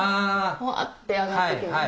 ホワって上がってきます。